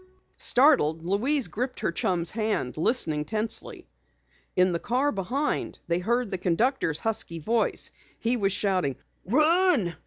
Startled, Louise gripped her chum's hand, listening tensely. In the car behind, they heard the conductor's husky voice. He was shouting: "Run!